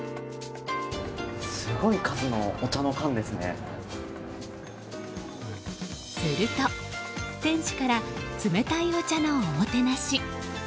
すると、店主から冷たいお茶のおもてなし。